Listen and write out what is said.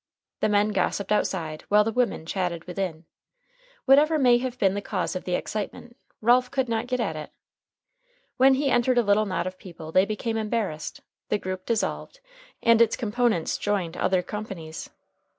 The men gossiped outside, while the women chatted within. Whatever may have been the cause of the excitement, Ralph could not get at it. When he entered a little knot of people they became embarrassed, the group dissolved, and its component parts joined other companies.